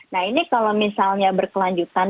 nah ini kalau misalnya berkelanjutan